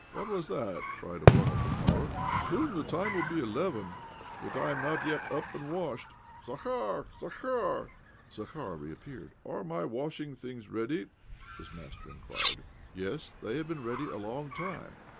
" What is that? " cried Oblomov in horror. " Soon the time will be eleven, yet I am not yet up g,nd washed ! Zakhar I Zakhar !" Zakhar reappeared. "Are my washing things ready?" his master inquired. "Yes, they have been ready a long time.